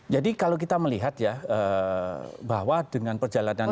jadi kalau kita melihat ya bahwa dengan perjalanan ini